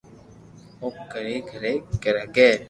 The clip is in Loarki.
او ڪري ڪري ھگي